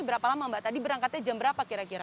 berapa lama mbak tadi berangkatnya jam berapa kira kira